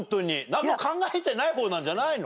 何も考えてない方なんじゃないの？